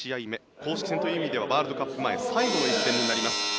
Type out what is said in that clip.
公式戦という意味ではワールドカップ前最後の一戦になります。